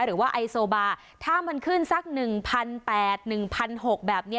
หรือว่าไอโซบาถ้ามันขึ้นสัก๑๘๐๐๑๖๐๐แบบนี้